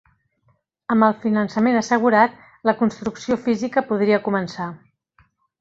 Amb el finançament assegurat, la construcció física podria començar.